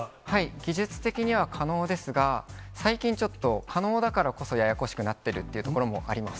技術的には可能ですが、最近、ちょっと可能だからこそ、ややこしくなっているというところもあります。